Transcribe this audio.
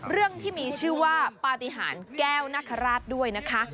เรื่องที่มีชื่อว่าปฏิหารแก้วนคราชด้วยนะคะ